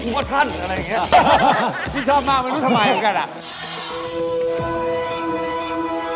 โอ้โฮหน้าเขาแบบเหนือมาก